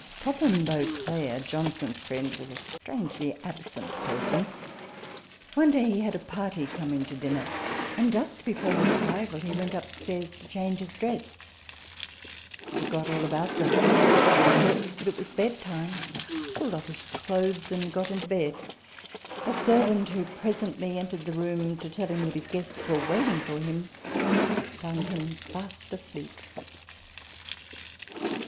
Topham Beauclerk (Johnson's friend) was a strangely absent person. One day he had a party coming to dinner ; and, just before their arrival, he went upstairs to change his dress. He forgot all about them ; thought that it was bedtime, pulkd off his clothes, and got into bed. A servant, who presently entered the room to tell him that his guests were waiting for him, found him fast asleep.